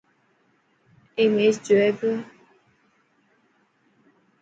اي ميچ جوئي پيو.